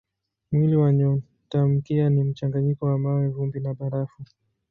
Mwili wa nyotamkia ni mchanganyiko wa mawe, vumbi na barafu.